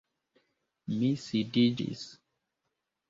Mi sidiĝis.